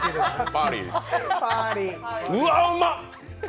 うわ、うまっ！